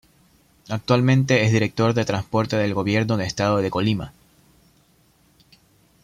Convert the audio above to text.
Actualmente es Director de Transporte del Gobierno del estado de Colima.